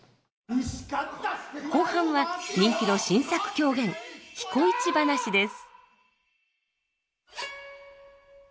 後半は人気の新作狂言「彦市ばなし」です。